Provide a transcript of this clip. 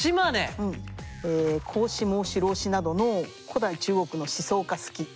孔子孟子老子などの古代中国の思想家好き。